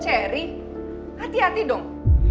ceri hati hati dong